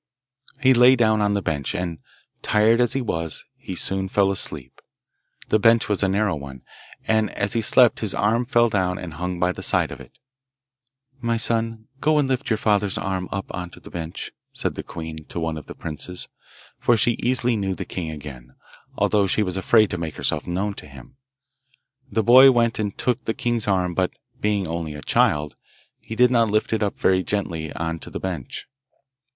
He lay down on the bench, and, tired as he was, he soon fell asleep. The bench was a narrow one, and as he slept his arm fell down and hung by the side of it. 'My son, go and lift your father's arm up on the bench,' said the queen to one of the princes, for she easily knew the king again, although she was afraid to make herself known to him. The boy went and took the king's arm, but, being only a child, he did not lift it up very gently on to the bench.